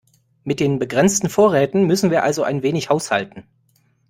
Mit den begrenzten Vorräten müssen wir also ein wenig haushalten.